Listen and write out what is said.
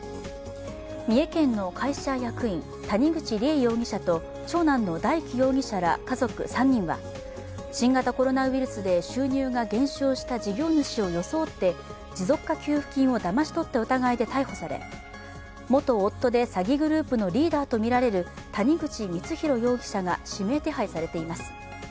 三重県の会社役員、谷口梨恵容疑者と長男の大折容疑者ら家族３人は、新型コロナウイルスで収入が減少した事業主を装って持続化給付金をだまし取った疑いで逮捕され元夫で詐欺グループのリーダーとみられる谷口光弘容疑者が指名手配されています。